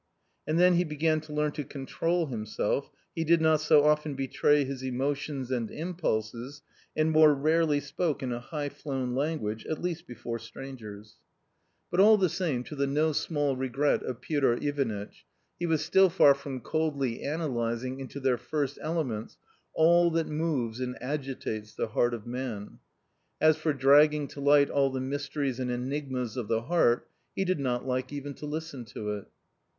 And then he began to learn to control himself, he did not so often betray his emotions and impulses and more rarely spoke in a high flown language, at least before strangers. 64 A COMMON STORY But all the same, to the no small regret of Piotr Ivanitch, he was still far from coldly analysing into their first elements all that moves and agitates the heart of man. As for dragging to light all the mysteries and enigmas of the heart, he did not like even to listen to it.